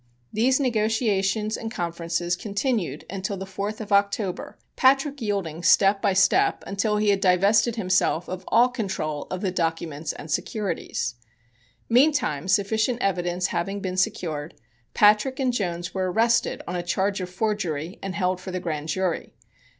These negotiations and conferences continued until the fourth of October, Patrick yielding step by step, until he had divested himself of all control of the documents and securities. Meantime sufficient evidence having been secured, Patrick and Jones were arrested on a charge of forgery and held for the Grand Jury.